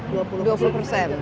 jadi sepuluh dua puluh persen